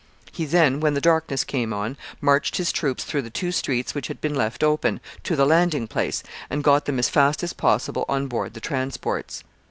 He then, when the darkness came on, marched his troops through the two streets which had been left open, to the landing place, and got them as fast as possible on board the transports.